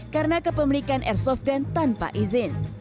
karena kepemerikan airsoft gun tanpa izin